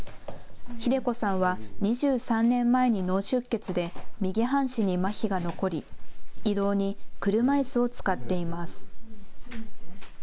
秀子さんは２３年前に脳出血で右半身にまひが残り移動に車いすを使っています。